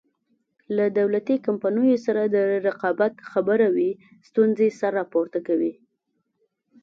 له دولتي کمپنیو سره د رقابت خبره وي ستونزې سر راپورته کوي.